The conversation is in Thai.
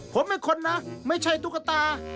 ผมไม่ค้นนะไม่ใช่ตุ๊กตา